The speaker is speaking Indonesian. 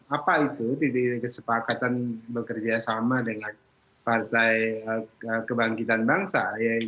apa itu titik titik kesepakatan bekerja sama dengan partai kebangkitan bangsa